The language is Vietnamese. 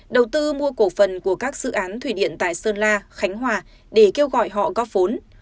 đầu tư mua cổ phần của các dự án thủy điện tại sơn la khánh hòa để kêu gọi họ góp vốn